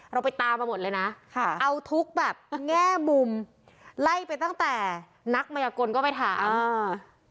เราไปตามมาหมดเลยนะค่ะเอาทุกแบบแง่มุมไล่ไปตั้งแต่นักมัยกลก็ไปถามอ่า